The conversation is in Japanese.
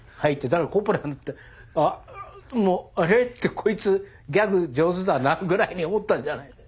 だからコッポラだって「ああれ？」って「こいつギャグ上手だな」ぐらいに思ったんじゃない？